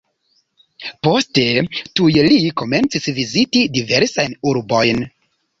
Poste tuj li komencis viziti diversajn urbojn.